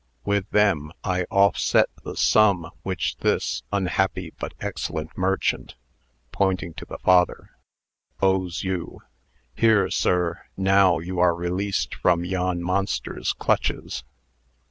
With them I offset the sum which this unhappy but excellent merchant" (pointing to the father) "owes you. Here, sir; now you are released from yon monster's clutches."